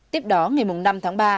tiếp đó ngày năm tháng ba